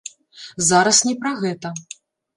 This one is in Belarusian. Зараз не пра гэта.